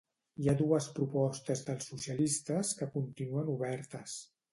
Hi ha dues propostes dels socialistes que continuen obertes.